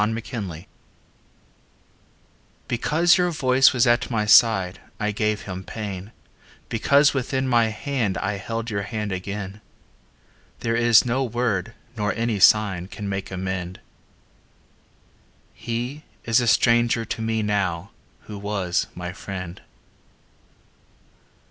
XVII Because your voice was at my side I gave him pain, Because within my hand I held Your hand again. There is no word nor any sign Can make amend He is a stranger to me now Who was my friend.